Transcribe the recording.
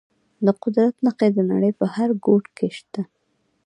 د قدرت نښې د نړۍ په هر ګوټ کې شته.